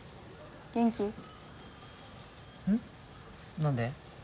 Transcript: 何で？